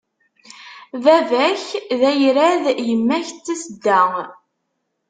Baba-k d ayrad, yemma-k d tasedda.